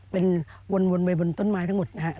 เป็นวนไปบนต้นไม้ทั้งหมดนะครับ